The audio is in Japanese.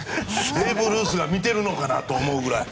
ベーブ・ルースが見ているのかなと思うぐらい。